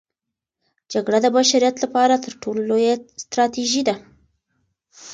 جګړه د بشریت لپاره تر ټولو لویه تراژیدي ده.